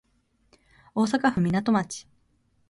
大阪府岬町